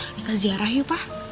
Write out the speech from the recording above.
ini kejarah yuk pa